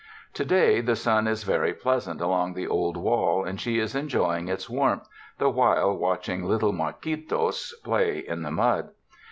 To day the sun is very pleasant along the old wall and she is enjoying its warmth, the while watching little Marquitos play in the mud.